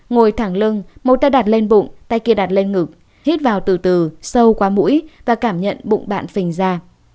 ngồi thẳng lưng một ta đặt lên bụng tay kia đặt lên ngực hít vào từ từ sâu qua mũi và cảm nhận bụng bạn phình ra